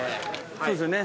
そうですよね。